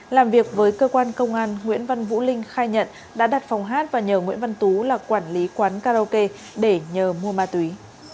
làm việc với cơ quan công an nguyễn văn vũ linh khai nhận đã đặt phòng hát và nhờ nguyễn văn tú là quản lý quán karaoke để nhờ mua ma túy